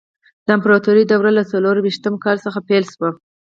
د امپراتورۍ دوره له څلور ویشتم کال څخه پیل شوه.